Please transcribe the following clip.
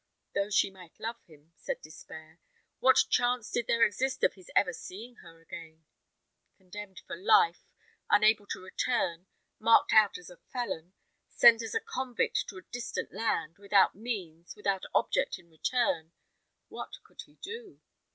Though she might love him, said Despair, what chance did there exist of his ever seeing her again? Condemned for life, unable to return, marked out as a felon, sent as a convict to a distant land, without means, without object in return, what could he do?